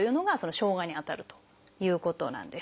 生姜にあたるということなんです。